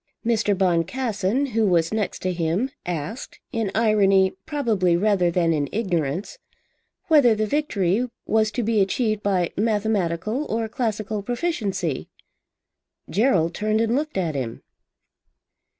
Mr. Boncassen, who was next to him, asked, in irony probably rather than in ignorance, whether the victory was to be achieved by mathematical or classical proficiency. Gerald turned and looked at him.